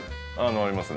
ありますね。